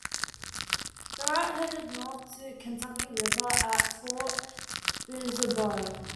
The route headed north to the Kentucky River at Fort Boonesborough.